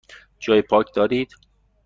جای پارک دارید؟